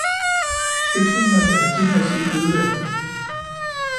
Bygningers energimæssige ydeevne